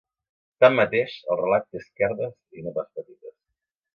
Tanmateix, el relat té esquerdes i no pas petites.